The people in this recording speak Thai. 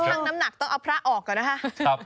ช่างน้ำหนักต้องเอาพระออกก่อนนะคะ